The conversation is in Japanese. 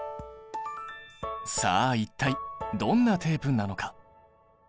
さあ一体どんなテープなのか。